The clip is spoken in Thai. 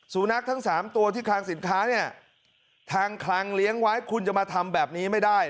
สุนัขทั้งสามตัวที่คลังสินค้าเนี่ยทางคลังเลี้ยงไว้คุณจะมาทำแบบนี้ไม่ได้